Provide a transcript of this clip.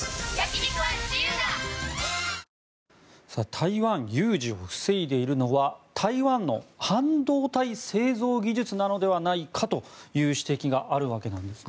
台湾有事を防いでいるのは台湾の半導体製造技術なのではという指摘があるわけなんですね。